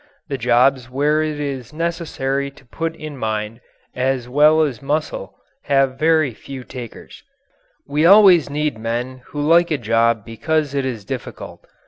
The jobs where it is necessary to put in mind as well as muscle have very few takers we always need men who like a job because it is difficult.